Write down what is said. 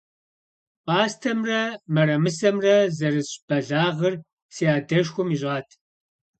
Пӏастэмрэ мэрэмысэмрэ зэрысщӏ бэлагъыр си адшхуэм ищӏат.